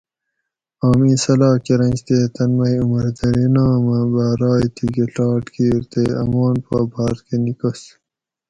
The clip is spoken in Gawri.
آم ایں صلاح کۤرنش تے تن مئی عمر زریناں آمہ بارائے تھیکہ ڷاٹ کیر تے آمان پا باۤر کہ نِکاس